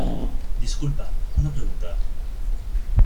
disculpa, una pregunta